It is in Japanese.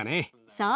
そう！